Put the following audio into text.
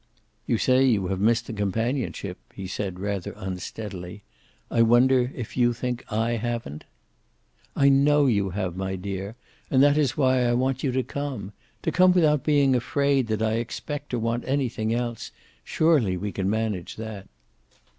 "You say you have missed the companionship," he said rather unsteadily. "I wonder if you think I haven't?" "I know you have, my dear. And that is why I want you to come. To come without being afraid that I expect or want anything else. Surely we can manage that."